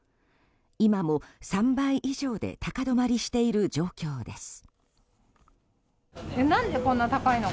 今も３倍以上で高止まりしている状況です。